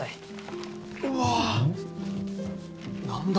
うわ！何だ？